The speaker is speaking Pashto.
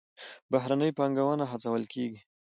بهرنۍ پانګونه هڅول کیږي